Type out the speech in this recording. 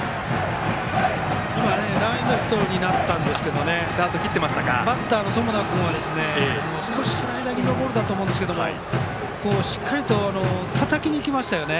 ランエンドヒットになったんですがバッターの友田君は少しスライダー気味のボールだったと思いますがしっかりとたたきにいきましたよね。